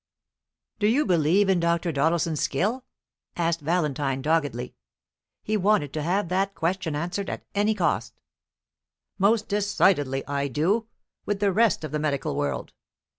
"Do you believe in Dr. Doddleson's skill?" asked Valentine doggedly. He wanted to have that question answered at any cost. "Most decidedly I do, with the rest of the medical world.